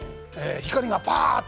光がパッと。